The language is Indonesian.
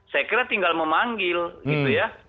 saya kira tinggal memanggil gitu ya